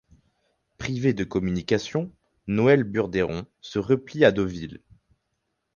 Privé de communication, Noël Burdeyron se replie à Deauville.